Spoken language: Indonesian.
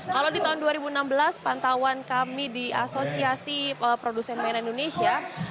kalau di tahun dua ribu enam belas pantauan kami di asosiasi produsen mainan indonesia